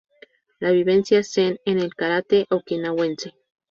La vivencia zen en el karate okinawense".